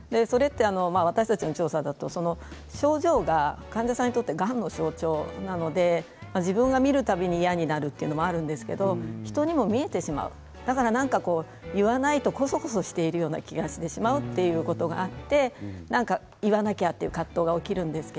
私たちの調査では症状が患者さんにとってがんの症状なので自分が見る度に嫌になるということはあるんですが人にも見えてしまう言わないと、こそこそしてしまう気がするという人もあって言わなければという葛藤が起きるんです。